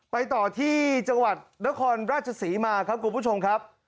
ไปต่อที่จังหวัดนครราชศรีมาครับคุณผู้ชมครับ